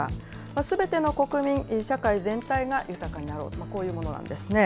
すべての国民、社会全体が豊かになろう、こういうものなんですね。